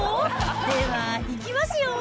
では、いきますよ。